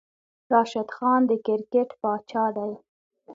راشد خان د کرکیټ پاچاه دی